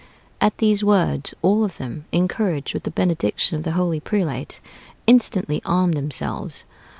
At these words, all of them, encouraged with the benediction of the holy prelate, instantly armed themselves....